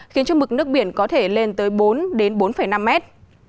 khiến cho mực nước biển có thể lên tới bốn bốn năm mét